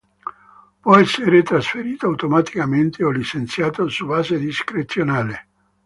Può essere trasferito automaticamente o licenziato su base discrezionale.